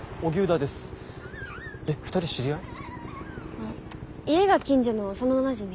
あ家が近所の幼なじみ。